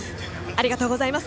ありがとうございます。